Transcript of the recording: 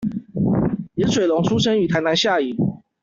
顏水龍出生於台南下營